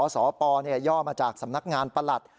สปย่อมาจากสำนักงานประหลัด